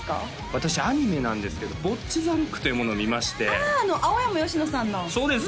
私アニメなんですけど「ぼっち・ざ・ろっく！」というものを見ましてあああの青山吉能さんのそうです